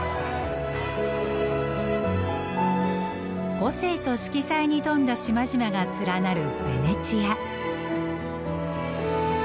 個性と色彩に富んだ島々が連なるベネチア。